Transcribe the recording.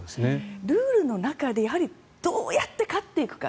ルールの中でどうやって勝っていくか。